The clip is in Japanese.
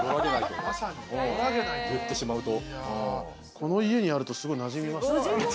この家にあると、すごいなじみますね。